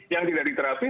yang tidak diterapi